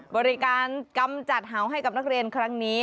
บริการกำจัดเห่าให้กับนักเรียนครั้งนี้